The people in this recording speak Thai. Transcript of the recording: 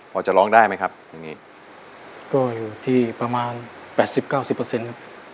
พอจะร้องได้ไหมครับเพลงนี้ก็อยู่ที่ประมาณแปดสิบเก้าสิบเปอร์เซ็นต์ครับ